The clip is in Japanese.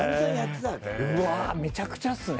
うわめちゃくちゃっすね。